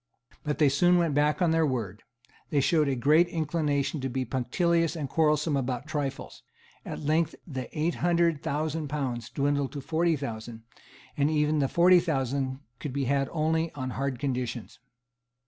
But they soon went back from their word; they showed a great inclination to be punctilious and quarrelsome about trifles; at length the eight hundred thousand pounds dwindled to forty thousand; and even the forty thousand could be had only on hard conditions.